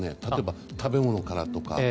例えば食べ物からとか。